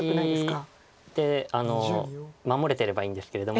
ツナギで守れてればいいんですけれども。